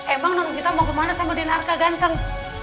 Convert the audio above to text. emang kita mau kemana sama den arka ganteng